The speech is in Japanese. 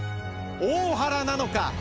大原なのか？